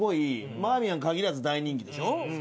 バーミヤン限らず大人気でしょ。